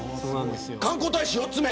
観光大使４つ目。